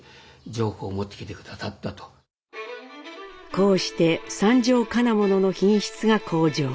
こうして三条金物の品質が向上。